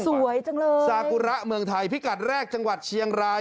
สวยจังเลยซากุระเมืองไทยพิกัดแรกจังหวัดเชียงราย